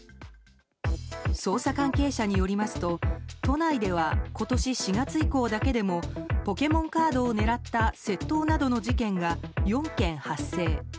捜査関係者によりますと都内では今年４月以降だけでもポケモンカードを狙った窃盗などの事件が４件発生。